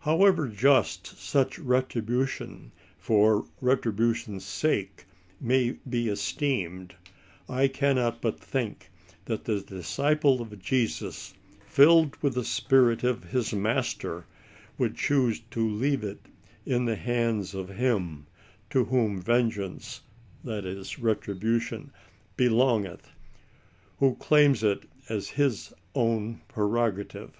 However just such retribution, for retribution's sake, may be esteemed, I cannot but think that the disciple of Jesus, filled with the spirit of his master, would choose to leave it in the hands of Him to whom vengeance [i. e. retribution] beiongeth;" who claims it as His own prerogative.